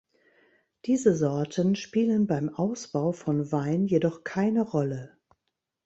Diese Sorten spielen beim Ausbau von Wein jedoch keine Rolle.